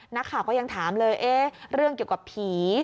นักข่าวก็ยังถามเลยเรื่องเกี่ยวกับผี